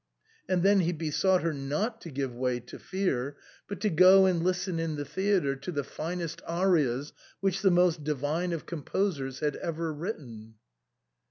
And then he besought her not to give way to fear, but to go and listen in the theatre to the finest arias which the most divine of composers had ever written.